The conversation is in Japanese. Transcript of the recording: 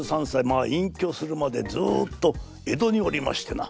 まあいんきょするまでずっと江戸におりましてな